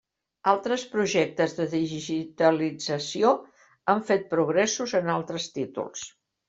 Altres projectes de digitalització han fet progressos en altres títols.